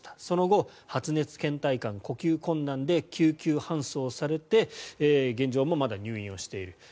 その後発熱、けん怠感、呼吸困難で救急搬送されて現在もまだ入院している。